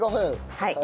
はい。